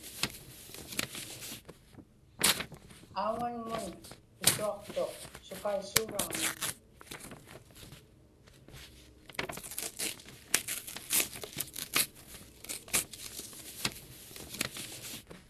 auŋanmun pisuaqtuq sukaisuuraamik